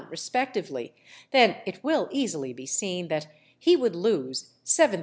_, respectively—then it will easily be seen that he would lose 7958_l.